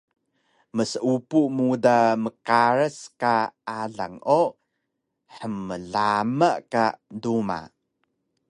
Mseupu muda mqaras ka alang o hmlama ka duma